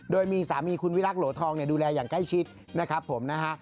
โดยมีสามีคุณวิรักษ์โหลทองดูแลอย่างใกล้ชิดนะครับผมนะฮะ